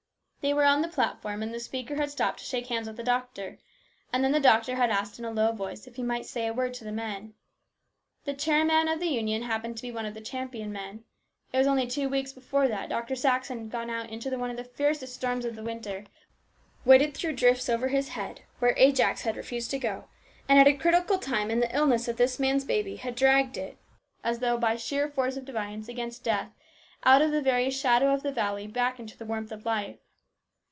They were on the platform, and the speaker AN ORATOR. 267 had stopped to shake hands with the doctor, and then the doctor had asked in a low voice if he might say a word to the men. The chairman of the Union happened to be one of the Champion men. It was only two weeks before that Dr. Saxon had gone out into one of the fiercest storms of the winter, waded through drifts over his head, where Ajax had refused to go, and at a critical time in the illness of this man's baby had dragged it, as though by sheer force of defiance against death, out of the very shadow of the valley back into the warmth of life.